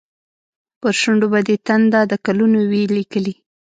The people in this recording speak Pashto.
پر شونډو به دې تنده، د کلونو وي لیکلې